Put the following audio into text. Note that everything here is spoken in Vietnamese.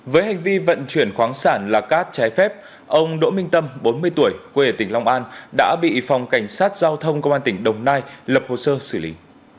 với hành vi vận chuyển khoáng sản là cát trái phép ông đỗ minh tâm bốn mươi tuổi quê ở tỉnh long an đã bị phòng cảnh sát giao thông công an tỉnh đồng nai lập hồ sơ xử lý